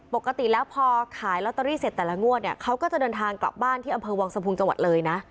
ปกติแล้วพอขายลอตเตอรี่เสร็จแต่ละงวดเนี่ยเขาก็จะเดินทางกลับบ้านที่อำเภอวังสะพุงจังหวัดเลยนะ